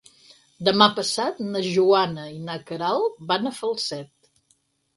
Demà passat na Joana i na Queralt van a Falset.